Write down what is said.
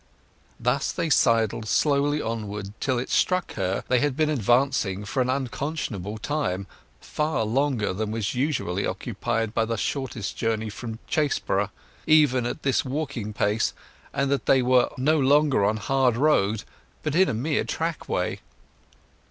Thus they sidled slowly onward till it struck her they had been advancing for an unconscionable time—far longer than was usually occupied by the short journey from Chaseborough, even at this walking pace, and that they were no longer on hard road, but in a mere trackway.